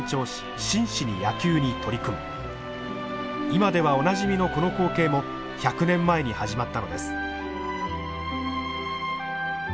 今ではおなじみのこの光景も１００年前に始まったのです。